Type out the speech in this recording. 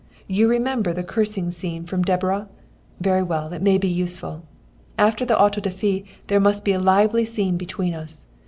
You remember the cursing scene from Deborah? Very well, it may be useful. After the auto da fé there must be a lively scene between us.